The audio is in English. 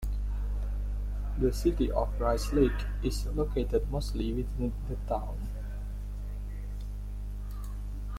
The City of Rice Lake is located mostly within the town.